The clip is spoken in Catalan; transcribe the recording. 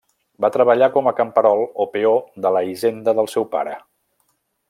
Va treballar com a camperol o peó de la hisenda del seu pare.